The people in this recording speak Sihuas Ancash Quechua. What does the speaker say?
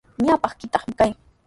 Ñawpaykitrawmi kaykan.